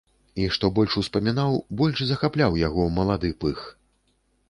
І што больш успамінаў, больш захапляў яго малады пых.